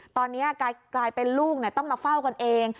ตอนนี้กลายเป็นลูกต้องมาเฝ้ากันเอง